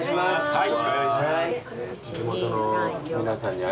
はい。